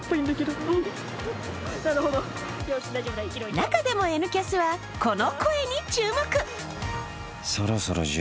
中でも「Ｎキャス」はこの声に注目。